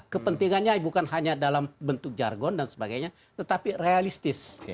kepentingannya bukan hanya dalam bentuk jargon dan sebagainya tetapi realistis